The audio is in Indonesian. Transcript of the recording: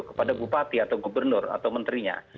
kepada bupati atau gubernur atau menterinya